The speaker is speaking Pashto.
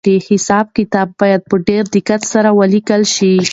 حساب کتاب باید په ډېر دقت سره ولیکل شي.